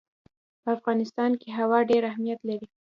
په افغانستان کې هوا ډېر اهمیت لري.